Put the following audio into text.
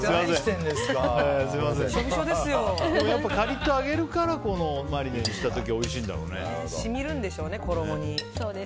やっぱりカリッと揚げるからこのマリネにした時染みるんでしょうね、衣に。